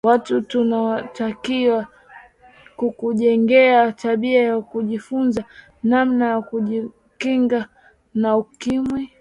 watu tunatakiwa kujijengea tabia ya kujifunza namna ya kujikinga na ukimwi